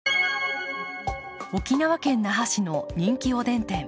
沖縄県那覇市の人気おでん店。